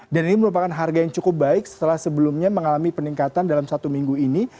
dan ini merupakan harga yang cukup baik setelah sebelumnya mengalami peningkatan dalam satu minggu ini